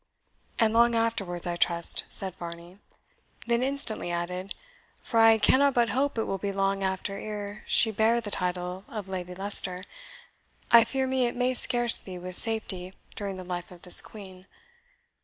"And long afterwards, I trust," said Varney; then instantly added, "For I cannot but hope it will be long after ere she bear the title of Lady Leicester I fear me it may scarce be with safety during the life of this Queen.